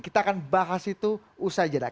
kita akan bahas itu usai jeda